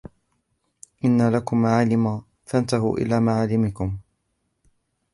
وَإِنَّ لَكُمْ مَعَالِمَ فَانْتَهُوا إلَى مَعَالِمِكُمْ